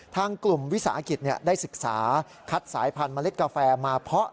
ทางกลุ่มวิสาหกิจได้ศึกษาคัดสายพันธุเมล็ดกาแฟมาเพาะ